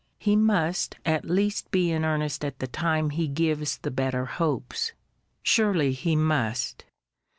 He must, at least be in earnest at the time he gives the better hopes. Surely he must.